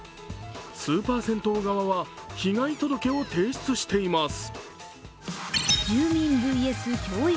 スーパー銭湯側は被害届を提出しています。